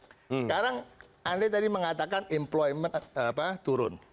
sekarang andre tadi mengatakan employment turun